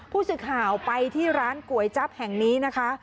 ผู้สื่อข่าวไปที่ร้านก๋วยจั๊บแห่งนี้นะคะ